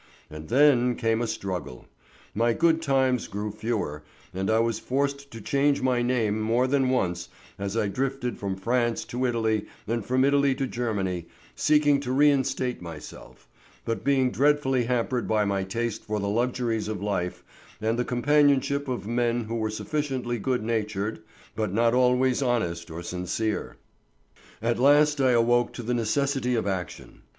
And then came a struggle. My good times grew fewer and I was forced to change my name more than once as I drifted from France to Italy and from Italy to Germany, seeking to reinstate myself, but being dreadfully hampered by my taste for the luxuries of life and the companionship of men who were sufficiently good natured, but not always honest or sincere. At last I awoke to the necessity of action.